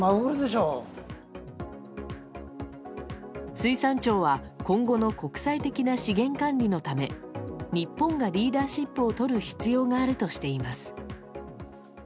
水産庁は今後の国際的な資源管理のため日本がリーダーシップをとる必要があるとしています。